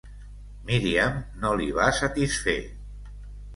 Miriam no li va satisfer.